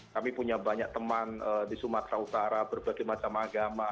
kami punya banyak teman di sumatera utara berbagai macam agama